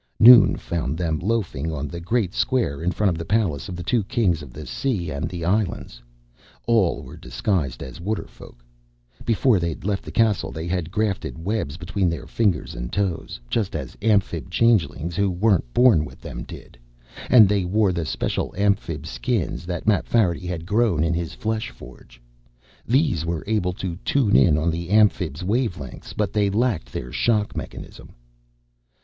Noon found them loafing on the great square in front of the Palace of the Two Kings of the Sea and the Islands. All were disguised as Waterfolk. Before they'd left the castle, they had grafted webs between their fingers and toes just as Amphib changelings who weren't born with them, did and they wore the special Amphib Skins that Mapfarity had grown in his fleshforge. These were able to tune in on the Amphibs' wavelengths, but they lacked their shock mechanism.